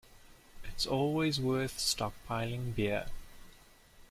It’s always worth stockpiling beer.